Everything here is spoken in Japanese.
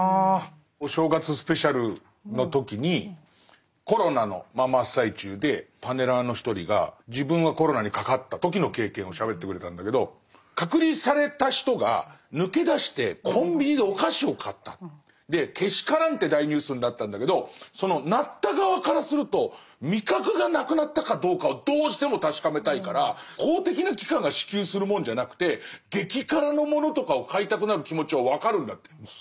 お正月スペシャルの時にコロナの真っ最中でパネラーの一人が自分がコロナにかかった時の経験をしゃべってくれたんだけど隔離された人が抜け出してコンビニでお菓子を買ったけしからんって大ニュースになったんだけどそのなった側からすると味覚がなくなったかどうかをどうしても確かめたいから公的な機関が支給するものじゃなくて激辛のものとかを買いたくなる気持ちは分かるんだって。